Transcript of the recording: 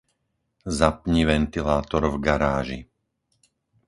Zapni ventilátor v garáži.